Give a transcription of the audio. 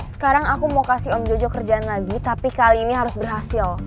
sekarang aku mau kasih om jojo kerjaan lagi tapi kali ini harus berhasil